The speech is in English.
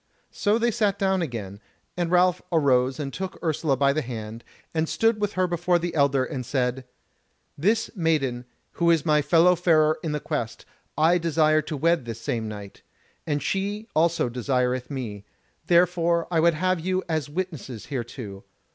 So they sat down again, and Ralph arose and took Ursula by the hand, and stood with her before the elder, and said: "This maiden, who is my fellow farer in the Quest, I desire to wed this same night, and she also desireth me: therefore I would have you as witnesses hereto.